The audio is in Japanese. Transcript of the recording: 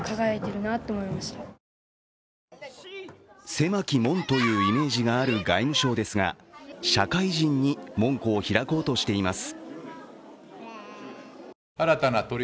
狭き門というイメージがある外務省ですが、社会人に門戸を開こうとしています。